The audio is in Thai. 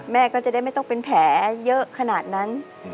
แม่ก็จะได้ไม่ต้องเป็นแผลเยอะขนาดนั้น